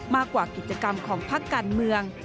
มากกว่ากิจกรรมของพักการเมือง